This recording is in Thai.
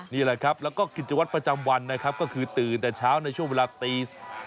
นี่แหละครับแล้วก็กิจวัตรประจำวันนะครับก็คือตื่นแต่เช้าในช่วงเวลาตี๔